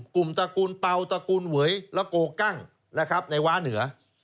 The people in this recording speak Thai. ตระกูลเป่าตระกูลเหวยและโกกั้งนะครับในว้าเหนือ